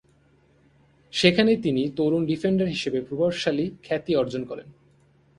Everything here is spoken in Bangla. সেখানে তিনি তরুণ ডিফেন্ডার হিসাবে প্রভাবশালী খ্যাতি অর্জন করেন।